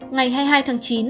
ngày hai mươi hai tháng chín